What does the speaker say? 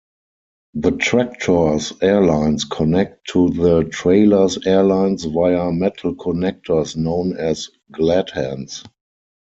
The tractor's air-lines connect to the trailer's air-lines via metal connectors known as gladhands.